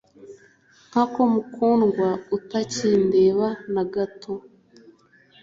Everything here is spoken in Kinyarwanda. Nkako mukundwa utakindeba nagato